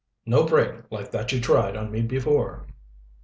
"No break like that you tried on me before."